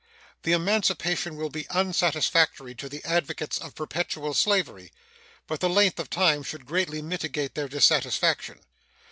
The emancipation will be unsatisfactory to the advocates of perpetual slavery, but the length of time should greatly mitigate their dissatisfaction.